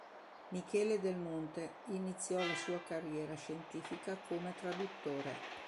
Michele Del Monte iniziò la sua carriera scientifica come traduttore.